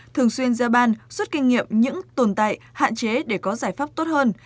thường xuyên ra ban rút kinh nghiệm những tồn tại hạn chế để có giải pháp tốt hơn